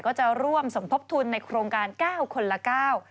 ก็จะร่วมสมทบทุนในโครงการ๙คนละ๙